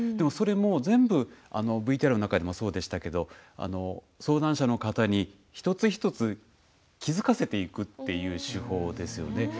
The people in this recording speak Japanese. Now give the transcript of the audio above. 全部ＶＴＲの中でもそうでしたけれども相談者の方に一つ一つ気付かせていくという手法ですよね。